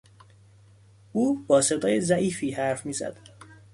او با صدای ضعیفی حرف میزد.